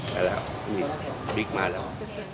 ไปแล้ววิกมาแล้ว